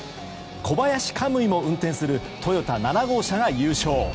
小林可夢偉の運転するトヨタ７号車が優勝。